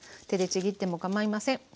手でちぎってもかまいません。